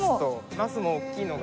ナスも大きいのが。